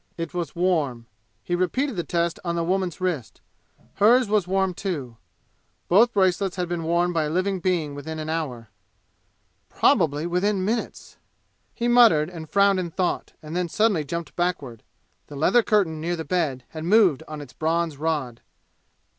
It was warm. He repeated the test on the woman's wrist. Hers was warm, too. Both bracelets had been worn by a living being within an hour "Probably within minutes!" He muttered and frowned in thought, and then suddenly jumped backward. The leather curtain near the bed had moved on its bronze rod.